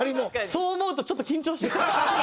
そう思うとちょっと緊張してきた。